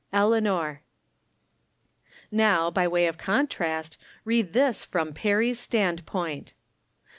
Eleanok. Now, by way of contrast, read this from Perry's standpoint.